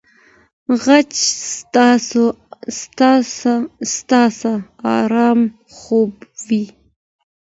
غچ ستا ارام خرابوي.